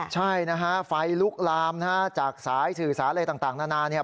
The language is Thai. ใช่นะฮะไฟลุกลามจากสายสื่อสารอะไรต่างนานา